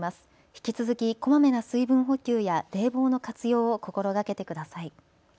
引き続きこまめな水分補給や冷房の活用を心がけてください。